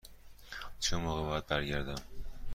چه موقع باید برگردم؟